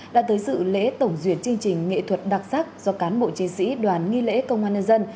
đã tới sự lễ tổng duyệt chương trình nghệ thuật đặc sắc do cán bộ chiến sĩ đoàn nghi lễ công an nhân dân